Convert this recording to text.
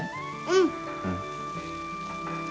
うん。